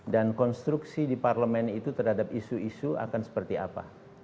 dan konstruksi di parlemen itu terhadap isu isu akan seperti apa